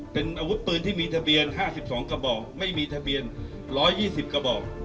เป็นอาวุธปืนที่มีทะเบียน๕๒กระบอกไม่มีทะเบียน๑๒๐กระบอก